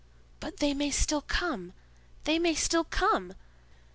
"But they may still come—they may still come.